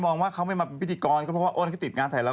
อ้อนเขาบอกคิวอะไรอ่ะ